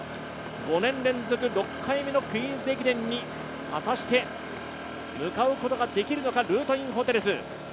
５年連続６回目のクイーンズ駅伝に、果たして向かうことができるのか、ルートインホテルズ。